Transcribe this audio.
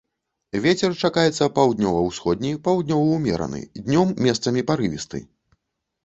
Вецер чакаецца паўднёва-ўсходні, паўднёвы ўмераны, днём месцамі парывісты.